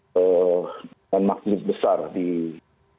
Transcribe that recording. dengan maksimal besar di uprd